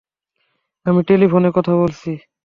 আমি টেলিফোনে কথা বলছি।